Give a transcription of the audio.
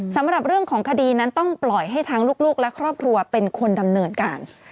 สำหรับเรื่องของคดีนั้นต้องปล่อยให้ทั้งลูกและครอบครัวเป็นคนดำเนินการ